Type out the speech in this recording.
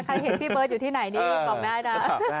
เห็นพี่เบิร์ตอยู่ที่ไหนนี่ตอบได้นะ